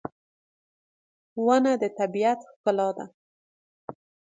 • ونه د طبیعت ښکلا ده.